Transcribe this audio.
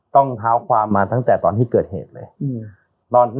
เท้าความมาตั้งแต่ตอนที่เกิดเหตุเลย